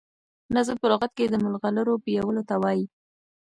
نظم په لغت کي د ملغرو پېيلو ته وايي.